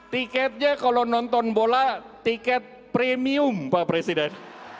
tiketnya kalau nonton bola tiket premium pak presiden